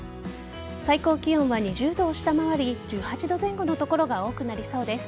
最高気温は２０度を下回り１８度前後の所が多くなりそうです。